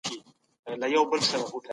تفرقه مه اچوئ.